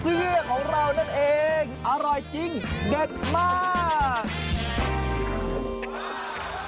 เองอร่อยเด็ดมาก